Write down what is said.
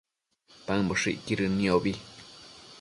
paëmboshëcquidën niobi